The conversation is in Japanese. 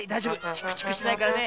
チクチクしないからね。